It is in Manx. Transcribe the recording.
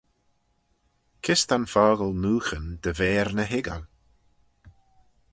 Kys ta'n fockle nooghyn dy v'er ny hoiggal?